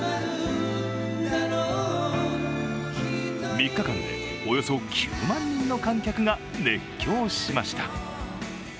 ３日間でおよそ９万人の観客が熱狂しました。